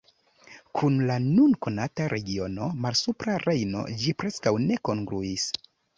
Kun la nun konata regiono Malsupra Rejno ĝi preskaŭ ne kongruis.